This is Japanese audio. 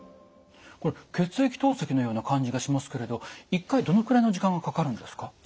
これ血液透析のような感じがしますけれど１回どのくらいの時間がかかるんですか？